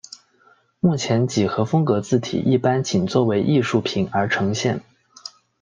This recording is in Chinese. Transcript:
目前几何风格字体一般仅作为艺术品而呈现。